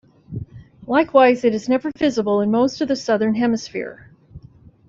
Likewise, it is never visible in most of the southern hemisphere.